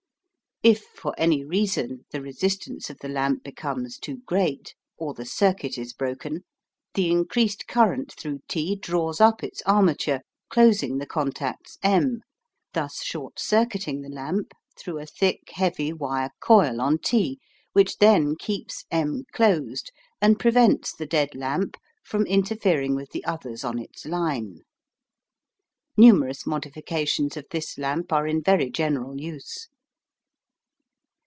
If for any reason the resistance of the lamp becomes too great, or the circuit is broken, the increased current through T draws up its armature, closing the contacts M, thus short circuiting the lamp through a thick, heavy wire coil on T, which then keeps M closed, and prevents the dead lamp from interfering with the others on its line. Numerous modifications of this lamp are in very general use.